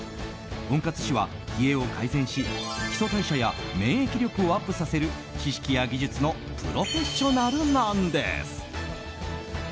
温活士は、冷えを改善し基礎代謝や免疫力をアップさせる知識や技術のプロフェッショナルなんです。